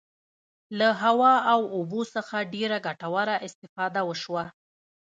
له هوا او اوبو څخه ډیره ګټوره استفاده وشوه.